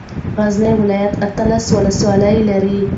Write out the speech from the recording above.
غزني ولايت اتلس ولسوالۍ لري.